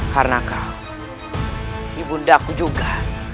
karena kau ibu ndaku juga